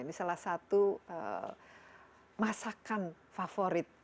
ini salah satu masakan favorit